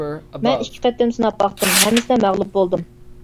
مەن ئىككى قېتىم سىناپ باقتىم ھەممىسىدە مەغلۇپ بولدۇم.